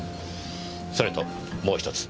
それともう１つ。